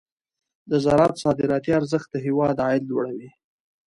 د زراعت صادراتي ارزښت د هېواد عاید لوړوي.